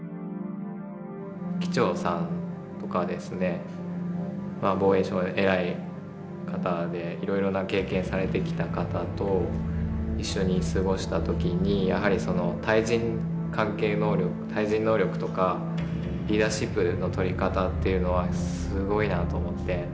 機長さんとか防衛省の偉い方でいろいろな経験をされてきた方と一緒に過ごした時にやはり対人能力とかリーダーシップのとり方っていうのはすごいなと思って。